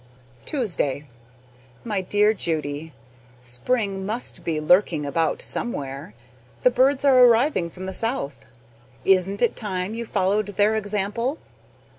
Tuesday. My dear Judy: Spring must be lurking about somewhere; the birds are arriving from the South. Isn't it time you followed their example?